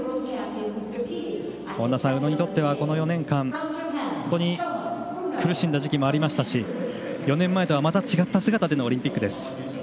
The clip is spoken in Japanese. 本田さん、宇野にとってはこの４年間本当に苦しんだ時期もありましたし４年前とはまた違った姿でのオリンピックです。